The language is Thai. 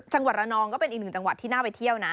จังหวัดระนองก็เป็นอีกหนึ่งจังหวัดที่น่าไปเที่ยวนะ